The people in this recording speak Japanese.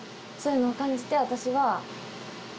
そういうのを感じて私は。